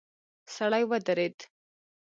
سړی ودرید.